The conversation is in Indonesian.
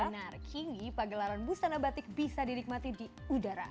benar kingi pagelaran bustana batik bisa dinikmati di udara